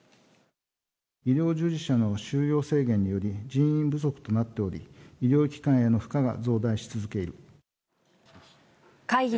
医療従事者の就業制限により、人員不足となっており、医療機関への負荷が増大し続けている。